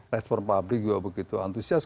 respon publik juga begitu antusias